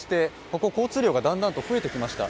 ここ、交通量がだんだんと増えてきました。